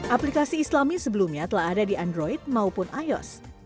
aplikasi islami sebelumnya telah ada di android maupun ios